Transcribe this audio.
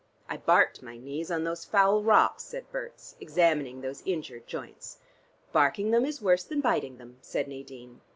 "I barked my knees on those foul rocks," said Berts, examining those injured joints. "Barking them is worse than biting them," said Nadine.